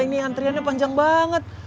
ini antriannya panjang banget